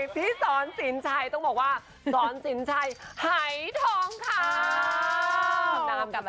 พี่สอนสินชัยต้องบอกว่าสอนสินชัยหายทองค่ะ